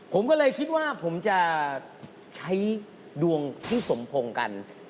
ผมก็เลยคิดว่าผมจะใช้ดวงที่สมพงษ์กัน